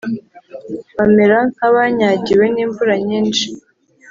bamere nkabanyagiwe n’imvura nyinshi.